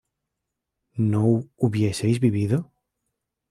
¿no hubieseis vivido?